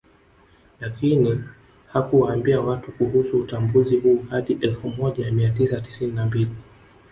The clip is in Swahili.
Lakini hakuwaambia watu kuhusu utambuzi huu hadi elfu moja mia tisa tisini na mbili